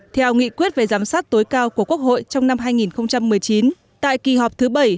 theo nghị quyết về giám sát tối cao của quốc hội trong năm hai nghìn một mươi chín tại kỳ họp thứ bảy